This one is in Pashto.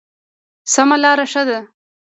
سمه لاره ښه ده.